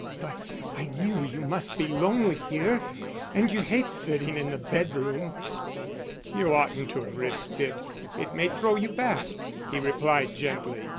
But I knew you must be lonely here, and you hate sitting in the bedroom." "You oughtn't to have risked it. It may throw you back," he replied, gently.